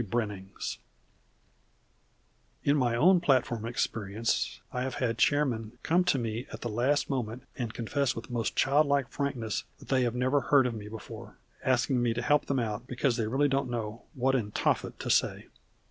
Brennings_." In my own platform experience I have had chairmen come to me at the last moment and confess with most childlike frankness that they have never heard of me before, asking me to help them out because they really didn't know "what in Tophet to say."